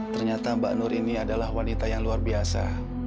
ternyata mbak nur ini adalah wanita yang luar biasa